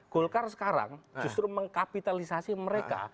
golkar sekarang justru mengkapitalisasi mereka